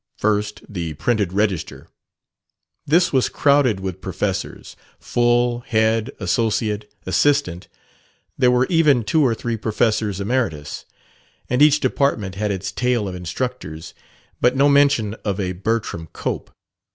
First, the printed register. This was crowded with professors full, head, associate, assistant; there were even two or three professors emeritus. And each department had its tale of instructors. But no mention of a Bertram Cope.